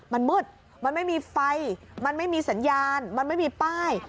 มันมืดมันไม่มีไฟมันไม่มีสัญญาณมันไม่มีป้าย